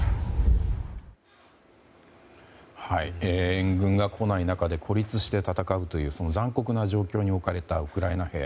援軍が来ない中で孤立して戦うという残酷な状況に置かれたウクライナ兵。